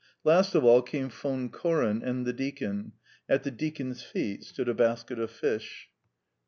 Last of all came Von Koren and the deacon; at the deacon's feet stood a basket of fish.